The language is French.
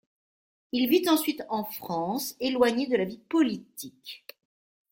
Il vit ensuite en France éloigné de la vie politique.